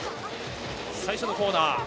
最初のコーナー